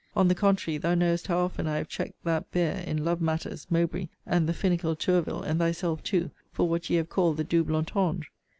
On the contrary, thou knowest how often I have checked that bear, in love matters, Mowbray, and the finical Tourville, and thyself too, for what ye have called the double entendre.